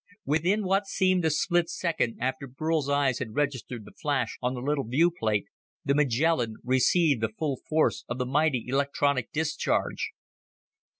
Within what seemed a split second after Burl's eyes had registered the flash on the little viewplate, the Magellan received the full force of the mighty electronic discharge.